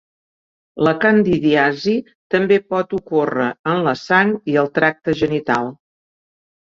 La candidiasi també pot ocórrer en la sang i el tracte genital.